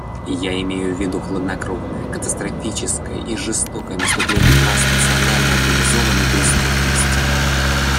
Я имею в виду хладнокровное, катастрофическое и жестокое наступление транснациональной организованной преступности.